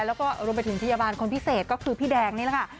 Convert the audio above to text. แล้วก็รวมไปถึงพยาบาลคนพิเศษก็คือพี่แดงนี่แหละค่ะ